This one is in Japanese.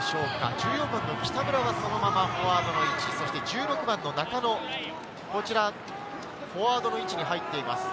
１４番の北村はそのままフォワードの位置、１６番の中野、フォワードの位置に入っています。